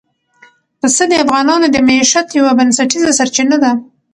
پسه د افغانانو د معیشت یوه بنسټیزه سرچینه ده.